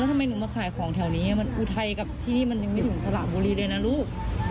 แล้วทำไมหนูมาขายของแถวนี้ที่นี่มันไม่ถึงสลากบุรีเลยนะลูก